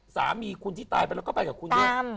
สามีคุณที่ตายไปแล้วก็ไปกับคุณเนี่ย